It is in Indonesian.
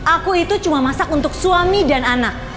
aku itu cuma masak untuk suami dan anak